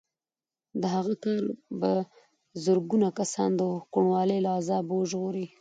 د هغه کار به زرګونه کسان د کوڼوالي له عذابه وژغوري